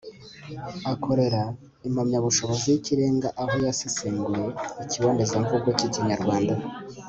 akorera impamyabushobozi y'ikirenga aho yasesenguye ikibonezamvugo k'ikinyarwanda